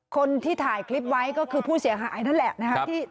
คนที่ถ่ายคลิปไว้ก็คือผู้เสียหายนั่นแหละนะครับ